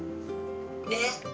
ねっ。